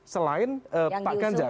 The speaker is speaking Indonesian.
selain pak ganjar